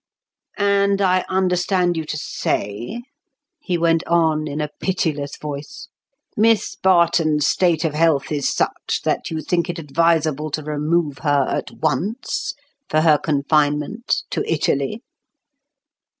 "And I understand you to say," he went on in a pitiless voice, "Miss Barton's state of health is such that you think it advisable to remove her at once—for her confinement, to Italy?"